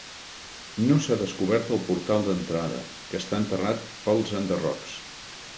No s'ha descobert el portal d'entrada, que està enterrat pels enderrocs.